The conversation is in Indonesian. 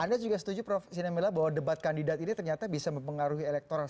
anda juga setuju prof sinemela bahwa debat kandidat ini ternyata bisa mempengaruhi elektoral